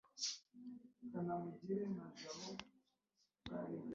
rgb yashyizeho ingamba zigamije kunoza imicungire y'umutungo n'abakozi